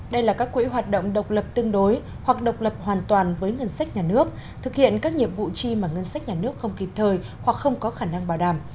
đây là các quỹ hoạt động độc lập tương đối hoặc độc lập hoàn toàn với ngân sách nhà nước thực hiện các nhiệm vụ chi mà ngân sách nhà nước không kịp thời hoặc không có khả năng bảo đảm